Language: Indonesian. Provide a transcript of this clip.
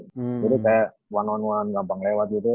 jadi kayak satu on satu gampang lewat gitu